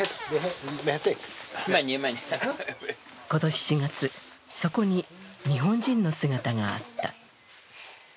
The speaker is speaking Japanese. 今年４月、そこに日本人の姿があった。